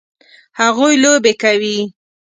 هغوی لوبې کوي